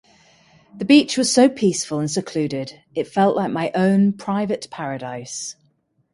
The beach was so peaceful and secluded, it felt like my own private paradise.